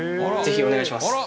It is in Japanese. ぜひお願いします。